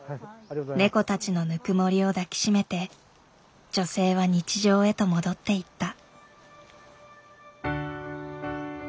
ネコたちのぬくもりを抱き締めて女性は日常へと戻っていった。